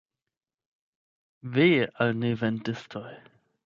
Ve al nevendistoj!